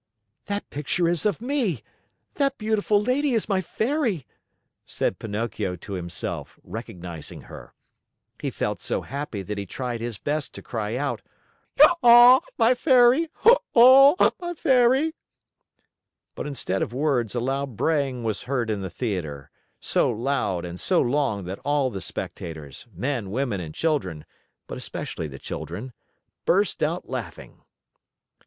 "That picture is of me! That beautiful lady is my Fairy!" said Pinocchio to himself, recognizing her. He felt so happy that he tried his best to cry out: "Oh, my Fairy! My own Fairy!" But instead of words, a loud braying was heard in the theater, so loud and so long that all the spectators men, women, and children, but especially the children burst out laughing.